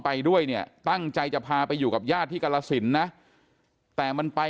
ไปด้วยเนี่ยตั้งใจจะพาไปอยู่กับญาติที่กรสินนะแต่มันไป